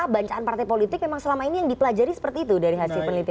banyaknya partai politik yang selama ini dipelajari seperti itu dari hasil penelitian